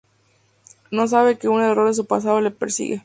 No sabe que un error de su pasado le persigue.